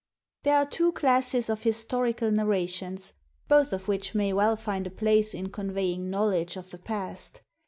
There are two classes of historical narrations, both of which may well find a place in conveying knowledge of the past.